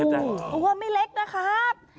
เพราะว่าไม่เล็กนะครับ